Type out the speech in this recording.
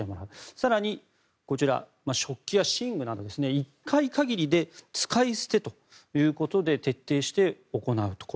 更に、こちら、食器や寝具など１回限りで使い捨てということで徹底して行うと。